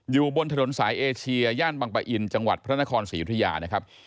อยู่บนถนนสายเอเชียย่านบังปะอินจังหวัดพระนครศรียุธยานะครับ